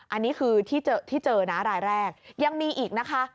อันนี้คือที่เจอนะรายแรกยังมีอีกนะคะ